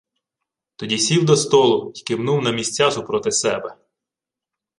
Тоді сів до столу й кивнув на місця супроти себе.